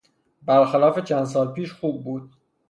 بر خلاف چند سال پیش خوب بود.